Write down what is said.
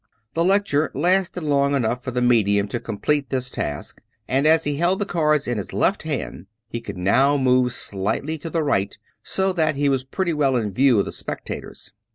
The lecture lasted long enough for the medium to complete this task; and as he held the cards in his left hand, he could now move slightly to the right so that he was pretty well in view of the spectators.